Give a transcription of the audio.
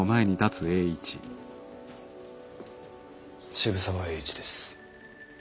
渋沢栄一です。